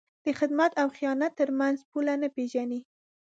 د خدمت او خیانت تر منځ پوله نه پېژني.